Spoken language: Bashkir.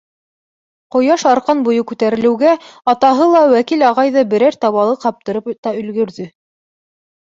Ҡояш арҡан буйы күтәрелеүгә атаһы ла, Вәкил ағай ҙа берәр табалыҡ ҡаптырып та өлгөрҙө.